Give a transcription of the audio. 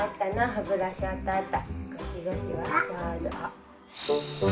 歯ブラシあったあった。